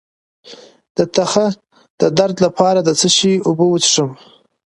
د تخه د درد لپاره د څه شي اوبه وڅښم؟